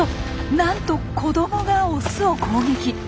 なんと子どもがオスを攻撃！